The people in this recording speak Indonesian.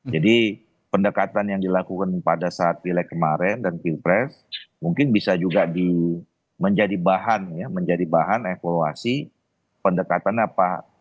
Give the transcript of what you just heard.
jadi pendekatan yang dilakukan pada saat filek kemarin dan filpres mungkin bisa juga menjadi bahan ya menjadi bahan evaluasi pendekatan apa